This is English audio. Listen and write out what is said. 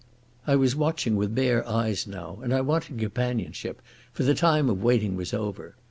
I was watching with bare eyes now, and I wanted companionship, for the time of waiting was over.